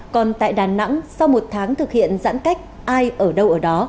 còn tại đà nẵng sau một tháng thực hiện giãn cách ai ở đâu ở đó